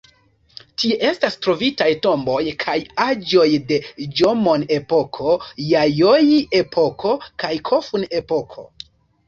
Tie estas trovitaj tomboj kaj aĵoj de Ĵomon-epoko, Jajoi-epoko kaj Kofun-epoko.